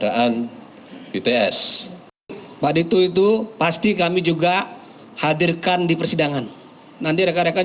dan itu adalah hal yang kita harus lakukan